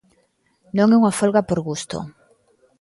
Non é unha folga por gusto.